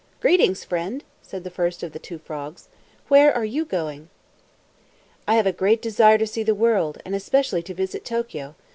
"Greetings, friend!" said the first of the two frogs. "Where are you going?" "I have a great desire to see the world, and especially to visit Tokio.